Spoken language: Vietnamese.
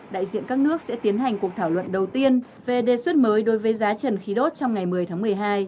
đại diện các nước sẽ tiến hành cuộc thảo luận đầu tiên về đề xuất mới đối với giá trần khí đốt trong ngày một mươi tháng một mươi hai